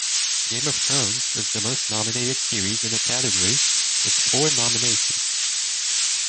"Game of Thrones" is the most nominated series in the category, with four nominations.